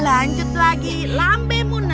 lanjut lagi lambe muna